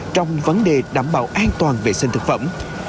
trong vấn đề đảm bảo an toàn vệ sinh thực phẩm